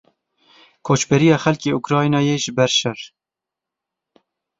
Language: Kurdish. Koçberiya xelkê Ukraynayê ji ber şer.